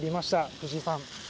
藤井さん。